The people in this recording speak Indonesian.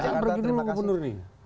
jangan begitu loh gubernur ini